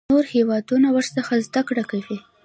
نور هیوادونه ورڅخه زده کړه کوي.